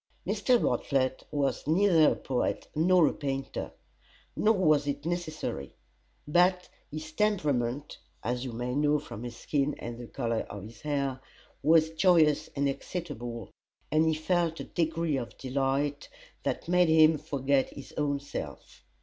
Mr. Bartlett was neither a poet nor a painter, nor was it necessary; but his temperament (as you may know from his skin and the color of his hair) was joyous and excitable, and he felt a degree of delight that made him forget his own self.